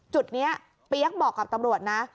จุดนี้เปี๊ยกบอกกับตำรวจนะ